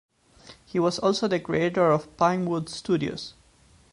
He was also the creator of Pinewood Studios.